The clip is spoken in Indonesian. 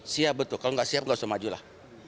siap betul kalau nggak siap nggak usah maju lah